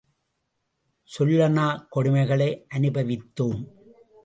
சொல்லொணாக் கொடுமைகளை அனுபவித்தோம்.